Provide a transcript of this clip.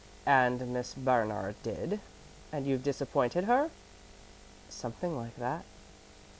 "And Miss Bernard did, and you've disappointed her?" "Something like that."